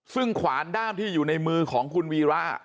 ซึ่งขวานด้ามที่อยู่ในมือของคุณวีระ